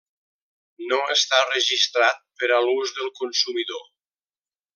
No està registrat per a l'ús del consumidor.